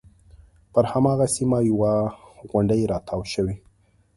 پر هماغه سیمه یوه غونډۍ راتاو شوې.